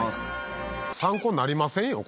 参考なりませんよ